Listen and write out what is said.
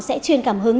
sẽ truyền cảm hứng